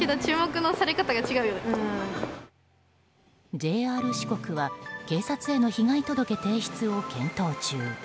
ＪＲ四国は警察への被害届提出を検討中。